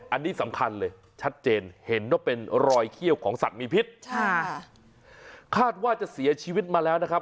อันนี้สำคัญเลยชัดเจนเห็นว่าเป็นรอยเขี้ยวของสัตว์มีพิษค่ะคาดว่าจะเสียชีวิตมาแล้วนะครับ